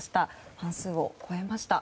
半数を超えました。